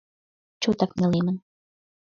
— Чотак нелемын.